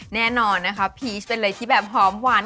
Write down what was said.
แน่นอนนะคะพีชเป็นอะไรที่แบบหอมหวาน